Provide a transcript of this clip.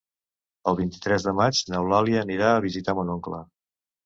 El vint-i-tres de maig n'Eulàlia anirà a visitar mon oncle.